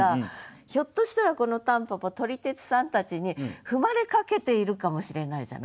ひょっとしたらこの蒲公英撮り鉄さんたちに踏まれかけているかもしれないじゃない？